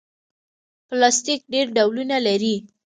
پلاستيک ډېر ډولونه لري.